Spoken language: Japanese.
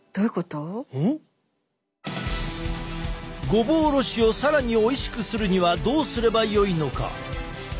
ごぼおろしを更においしくするにはどうすればよいのか？